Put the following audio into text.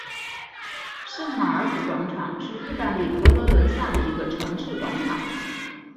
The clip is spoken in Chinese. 圣马尔谷广场是意大利佛罗伦萨的一个城市广场。